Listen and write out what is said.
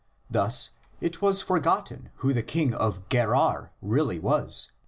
Thus it was forgotten who the king of Gerar really was (xx.